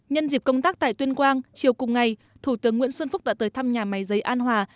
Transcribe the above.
nhân dịp công tác tại tuyên quang chiều cùng ngày thủ tướng nguyễn xuân phúc đã tới thăm nhà máy giấy an hòa